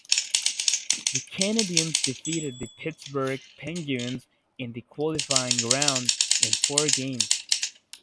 The Canadiens defeated the Pittsburgh Penguins in the qualifying round in four games.